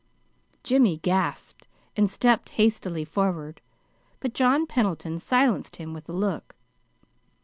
(Jimmy gasped and stepped hastily forward, but John Pendleton silenced him with a look.)